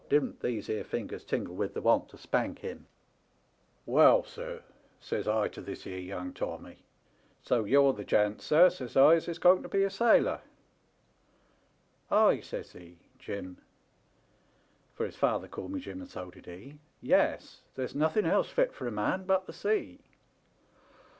didn't these here fingers tingle with the want to spank him !' Well, sir,' says I to this here young Tommy, ' so you're the gent, sir,' says I, * as is going to be a sailor ?'"' Ay,' says he, ' Jim '— for his father called me Jim and so did he —* yes ; there's nothen else fit for a man but the sea.'